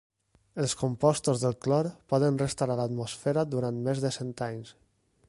Els compostos del clor poden restar a l'atmosfera durant més de cent anys.